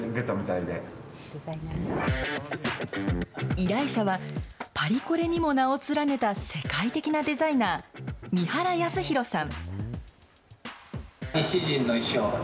依頼者は、パリコレにも名を連ねた世界的なデザイナー、三原康裕さん。